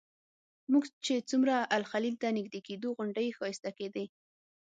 موږ چې څومره الخلیل ته نږدې کېدو غونډۍ ښایسته کېدې.